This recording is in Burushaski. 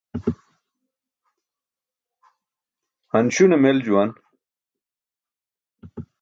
Han śune mel juwan.